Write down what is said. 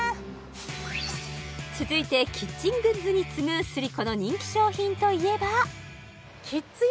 続いてキッチングッズに次ぐスリコの人気商品といえば